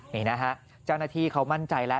นี่นะฮะเจ้าหน้าที่เขามั่นใจแล้ว